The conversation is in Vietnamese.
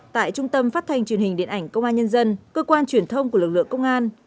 tại trung tâm phát thanh truyền hình điện ảnh công an nhân dân cơ quan truyền thông của lực lượng công an